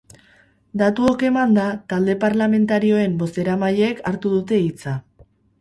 Datuok emanda, talde parlamentarioen bozeramaileek hartu dute hitza.